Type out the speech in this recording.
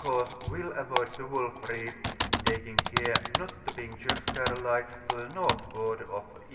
course will avoid the Wolf Reef, taking care not to bring Kokskar Light to the northward of E.